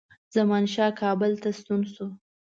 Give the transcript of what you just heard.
زمانشاه کابل ته ستون شو.